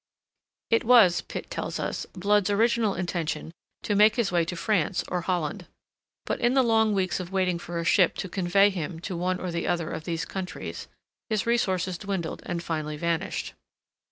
It was, Pitt tells us, Blood's original intention to make his way to France or Holland. But in the long weeks of waiting for a ship to convey him to one or the other of these countries, his resources dwindled and finally vanished.